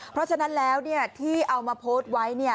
เพราะฉะนั้นแล้วที่เอามาโพสต์ไว้